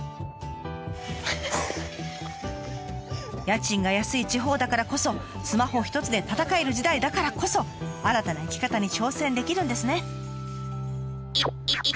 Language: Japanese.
家賃が安い地方だからこそスマホひとつで戦える時代だからこそ新たな生き方に挑戦できるんですね。